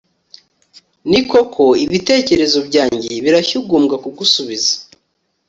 ni koko, ibitekerezo byanjye birashyugumbwa kugusubiza